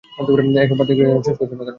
এসব বাদ দিয়ে গ্রাজুয়েশন শেষ করছ না কেন?